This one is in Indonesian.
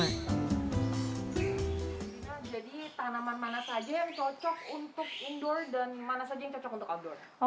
jadi tanaman mana saja yang cocok untuk indoor dan mana saja yang cocok untuk outdoor